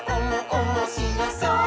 おもしろそう！」